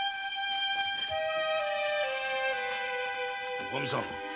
おかみさん。